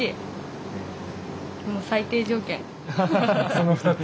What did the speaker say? その２つ？